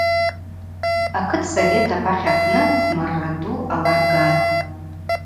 Акытсовет апахь апны хъвмарра ду аларгатӏ.